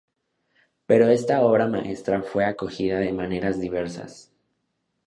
Pero esta obra maestra fue acogida de maneras diversas.